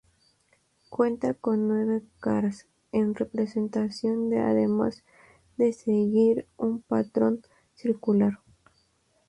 Cuenta con nueve caras en representación de además de seguir un patrón circular.